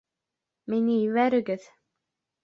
Мине ебәрегеҙ!